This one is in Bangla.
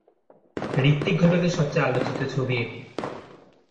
ঋত্বিক ঘটকের সবচেয়ে আলোচিত ছবি এটি।